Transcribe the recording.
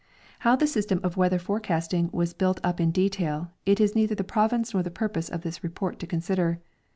How the system of weather forecasting was built up in detail, it is neither the province nor purpose of this report to consider.